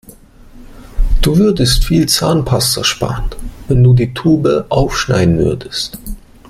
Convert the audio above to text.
Du würdest viel Zahnpasta sparen, wenn du die Tube aufschneiden würdest.